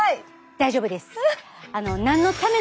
大丈夫です。